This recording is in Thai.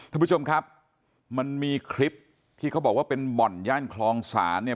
ท่านผู้ชมครับมันมีคลิปที่เขาบอกว่าเป็นบ่อนย่านคลองศาลเนี่ย